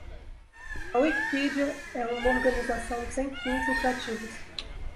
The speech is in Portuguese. A Wikipedia é uma organização sem fins lucrativos.